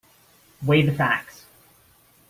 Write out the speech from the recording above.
Weigh the facts.